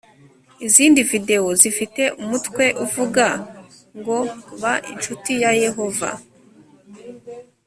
izindi videwo zifite umutwe uvuga ngo ba incuti ya yehova